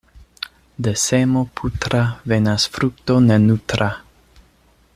De semo putra venas frukto ne nutra.